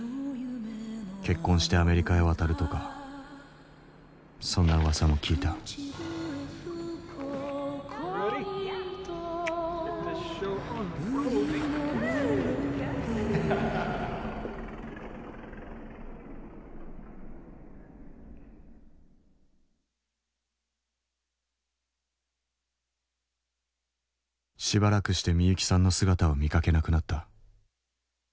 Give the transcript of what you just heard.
結婚してアメリカへ渡るとかそんな噂も聞いたしばらくしてみゆきさんの姿を見かけなくなった。